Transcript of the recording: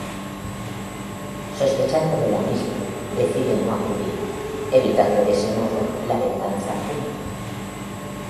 Sospechando de la misma, decide no acudir, evitando de ese modo la venganza púnica.